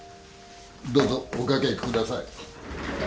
どうぞお掛けください。